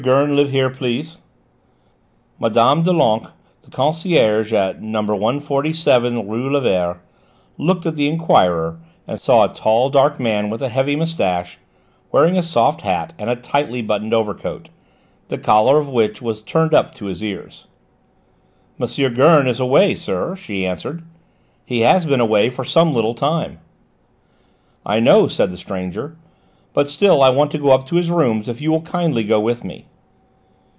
Gurn live here, please?" Mme. Doulenques, the concierge at No. 147 rue Lévert, looked at the enquirer and saw a tall, dark man with a heavy moustache, wearing a soft hat and a tightly buttoned overcoat, the collar of which was turned up to his ears. "M. Gurn is away, sir," she answered; "he has been away for some little time." "I know," said the stranger, "but still I want to go up to his rooms if you will kindly go with me."